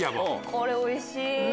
これおいしい。